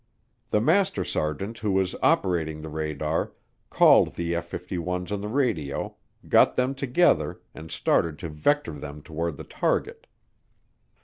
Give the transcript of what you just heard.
The master sergeant who was operating the radar called the F 51's on the radio, got them together and started to vector them toward the target.